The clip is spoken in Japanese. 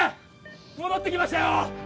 戻ってきましたよ！